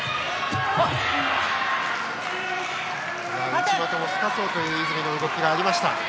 内股をすかそうという泉の動きがありました。